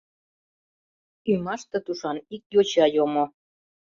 Ӱмаште тушан ик йоча йомо...